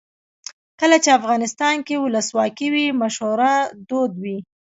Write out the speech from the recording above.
کله چې افغانستان کې ولسواکي وي مشوره دود وي.